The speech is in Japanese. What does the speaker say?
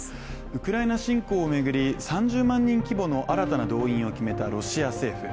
ウクライナ侵攻を巡り３０万人規模の新たな動員を決めたロシア政府。